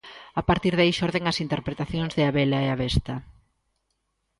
A partir de aí xorden as interpretacións de A Bela e a Besta.